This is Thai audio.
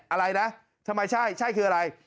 อะไรนะทำไมใช่ใช่คืออะไร